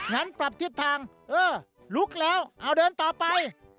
งั้นปรับทิศทางเออลุกแล้วเอาเดินต่อไป